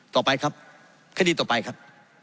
ต่อไปครับคดีต่อไปครับ